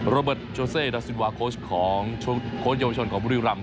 เบิร์ดโชเซดาซินวาโค้ชของโค้ชเยาวชนของบุรีรำ